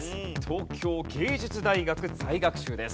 東京藝術大学在学中です。